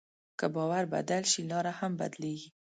که باور بدل شي، لاره هم بدلېږي.